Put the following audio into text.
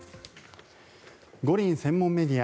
五輪専門メディア